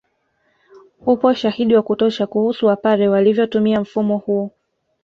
Upo ushahidi wa kutosha kuhusu Wapare walivyotumia mfumo huu